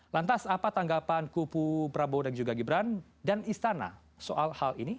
lantas apa tanggapan kupu prabowo dan juga gibran dan istana soal hal ini